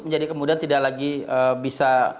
menjadi kemudian tidak lagi bisa